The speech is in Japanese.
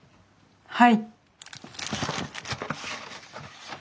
はい。